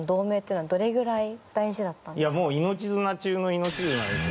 いやもう命綱中の命綱ですよ。